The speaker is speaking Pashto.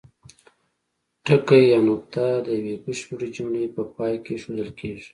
ټکی یا نقطه د یوې بشپړې جملې په پای کې اېښودل کیږي.